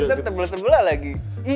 itu kan tebal sebelah lagi